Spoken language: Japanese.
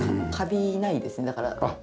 カビないですねだから。